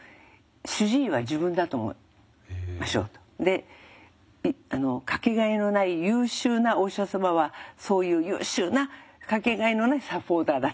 よく言うんですが私あので掛けがえのない優秀なお医者様はそういう優秀な掛けがえのないサポーターだと。